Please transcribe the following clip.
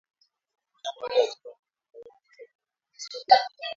Wanyama walioathiriwa kwa kawaida huwa hawafi